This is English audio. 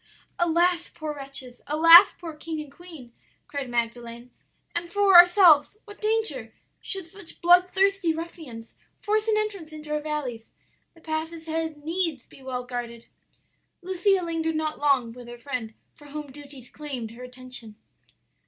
"'Alas, poor wretches! alas poor king and queen!' cried Magdalen; 'and, for ourselves, what danger, should such bloodthirsty ruffians force an entrance into our valleys! The passes had needs be well guarded!' "Lucia lingered not long with her friend, for home duties claimed her attention.